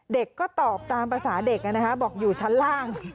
เด็กก็ตอบตามภาษาเด็กบอกอยู่ชั้นล่าง